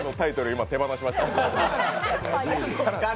今、手放しましたよ。